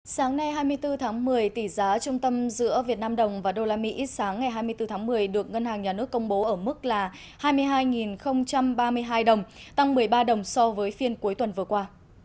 sáng nay hai mươi bốn tháng một mươi tỷ giá trung tâm giữa việt nam đồng và đô la mỹ sáng ngày hai mươi bốn tháng một mươi được ngân hàng nhà nước công bố ở mức là hai mươi hai ba mươi hai đồng tăng một mươi ba đồng so với phiên cuối tuần vừa qua